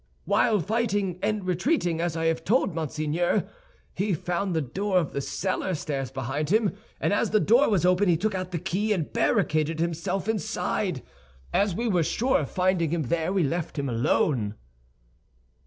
"While fighting and retreating, as I have told Monseigneur, he found the door of the cellar stairs behind him, and as the door was open, he took out the key, and barricaded himself inside. As we were sure of finding him there, we left him alone."